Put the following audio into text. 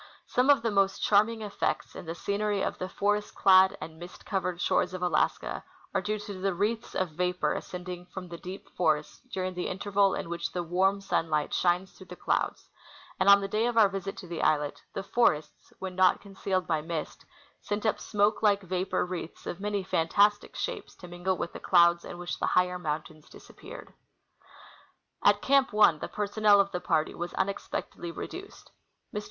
Some of the most charm ing effects in the scenery of the forest clad and mist coA^ered shores of Alaska are due to the wreaths of vapor ascending from the deep forests during the interval in Avhich the AA^arm sunlight shines through the clouds ; and on the day of our visit to the islet, the forests, when not concealed by mist, sent up smoke like A^apor wreaths of many fantastic shapes to mingle with the clouds in Avhich the higher mountains disappeared. At Camp 1 the personnel of the party Avas unexpectedly re duced. Mr.